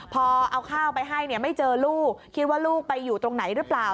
พอเอาข้าวไปให้เนี่ยไม่เจอลูกคิดว่าลูกไปอยู่ตรงไหนหรือเปล่า